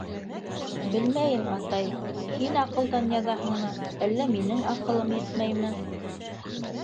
— Белмәйем, атай, һин аҡылдан яҙаһыңмы, әллә минең аҡылым етмәйме?